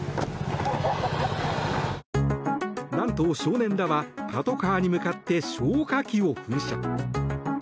なんと少年らはパトカーに向かって消火器を噴射。